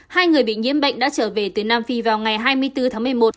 hai người bị nhiễm bệnh đã trở về từ nam phi vào ngày hai mươi bốn tháng một mươi một